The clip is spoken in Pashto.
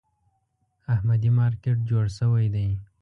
احمدي مارکېټ جوړ شوی دی.